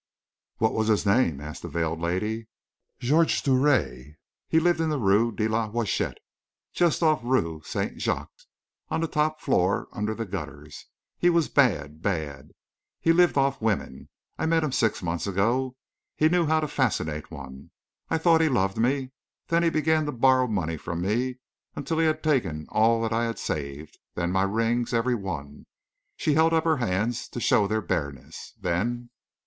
"What was his name?" asked the veiled lady. "Georges Drouet he lived in the Rue de la Huchette, just off the Rue Saint Jacques on the top floor, under the gutters. He was bad bad; he lived off women. I met him six months ago. He knew how to fascinate one; I thought he loved me. Then he began to borrow money from me, until he had taken all that I had saved; then my rings every one!" She held up her hands to show their bareness. "Then...."